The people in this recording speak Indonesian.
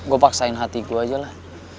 gue paksain hati gue aja lah